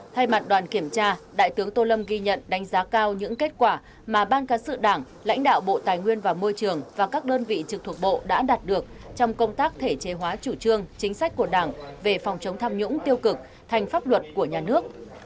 thay mặt đoàn kiểm tra đại tướng tô lâm ghi nhận đánh giá cao những kết quả mà ban cán sự đảng lãnh đạo bộ tài nguyên và môi trường và các đơn vị trực thuộc bộ đã đạt được trong công tác thể chế hóa chủ trương chính sách của đảng về phòng chống tham nhũng tiêu cực thành pháp luật của nhà nước